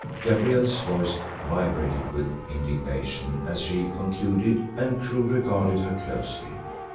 Gabrielle's voice vibrated with indignation as she concluded, and Crewe regarded her closely.